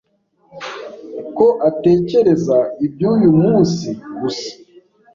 Ko atekereza iby’uyu munsi gusa